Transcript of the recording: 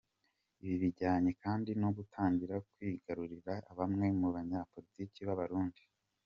Ibi bijyanye kandi no gutangira kwigarurira bamwe mu banyapolitiki b’abarundi.